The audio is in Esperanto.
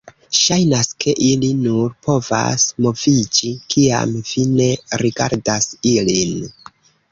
Ŝajnas ke ili... nur povas moviĝi, kiam vi ne rigardas ilin.